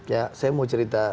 ya saya mau cerita